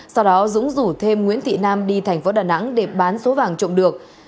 sau đó dũng rủ thêm nguyễn thị nam đi thành phố đà nẵng để bán số vàng trộm được